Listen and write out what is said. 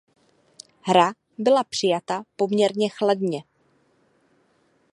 Hra byla přijata poměrně chladně.